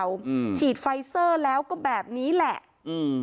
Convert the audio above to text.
อืมฉีดไฟเซอร์แล้วก็แบบนี้แหละอืม